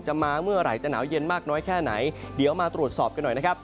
มาเมื่อไหร่จะหนาวเย็นมากน้อยแค่ไหนเดี๋ยวมาตรวจสอบกันหน่อยนะครับ